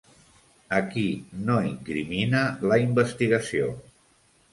A qui no incrimina la investigació?